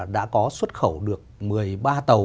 đã có xuất khẩu được một mươi ba tàu